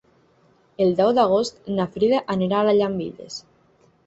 El deu d'agost na Frida anirà a Llambilles.